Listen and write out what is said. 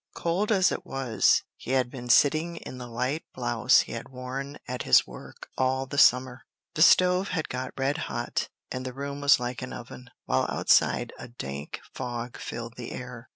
Cold as it was, he had been sitting in the light blouse he had worn at his work all the summer. The stove had got red hot, and the room was like an oven, while outside a dank fog filled the air.